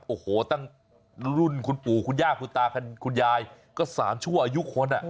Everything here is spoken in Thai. โอ้โหตั้งรุ่นคุณปู่คุณย่าคุณตาคุณยายก็๓ชั่วอายุคน